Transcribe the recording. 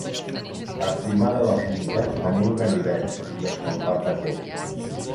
Aprimar de la punta amb una ganivet d'escampar patè.